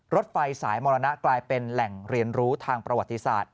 รถไฟสายมรณะกลายเป็นแหล่งเรียนรู้ทางประวัติศาสตร์